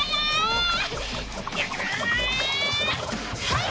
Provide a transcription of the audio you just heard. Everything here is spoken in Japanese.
はい！